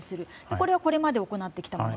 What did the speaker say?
これはこれまで行ってきたもの。